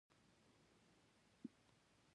غوبل کې دغه سیمې له آر استوګنو خلکو څخه خالی شوې.